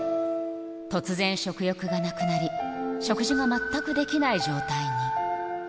突然、食欲がなくなり、食事が全くできない状態に。